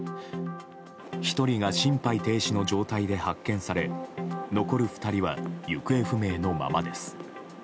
１人が心肺停止の状態で発見され残る２人は行方不明のままです。